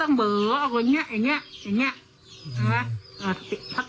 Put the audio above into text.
อือนักวิทยาศาสตร์